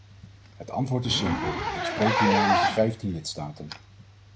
Het antwoord is simpel: ik spreek hier namens de vijftien lidstaten.